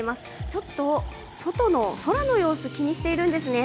ちょっと外の空の様子、気にしているんですね。